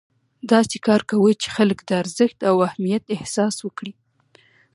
داسې کار کوئ چې خلک د ارزښت او اهمیت احساس وکړي.